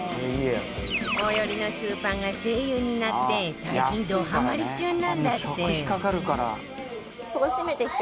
最寄りのスーパーが ＳＥＩＹＵ になって最近どハマり中なんだって